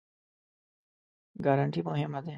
ګارنټي مهمه دی؟